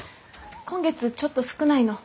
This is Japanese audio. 今月ちょっと少ないの。